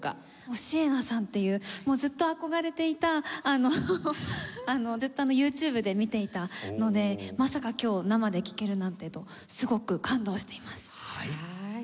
シエナさんというずっと憧れていたずっとＹｏｕＴｕｂｅで見ていたのでまさか今日生で聴けるなんてとすごく感動しています。